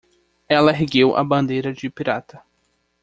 Ela ergueu a bandeira de pirata.